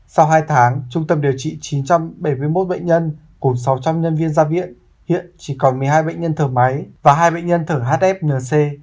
sau hai tháng trung tâm điều trị chín trăm bảy mươi một bệnh nhân cùng sáu trăm linh nhân viên ra viện hiện chỉ còn một mươi hai bệnh nhân thở máy và hai bệnh nhân thở hfnc